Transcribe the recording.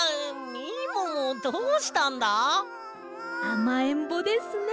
あまえんぼですね。